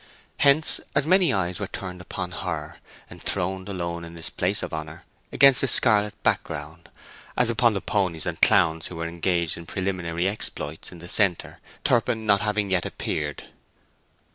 Hence as many eyes were turned upon her, enthroned alone in this place of honour, against a scarlet background, as upon the ponies and clown who were engaged in preliminary exploits in the centre, Turpin not having yet appeared.